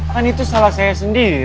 kan itu salah saya sendiri